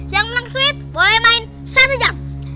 yang menang suite boleh main satu jam